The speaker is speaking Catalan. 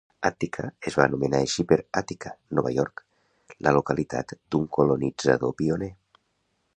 Attica es va anomenar així per Attica, Nova York, la localitat d'un colonitzador pioner.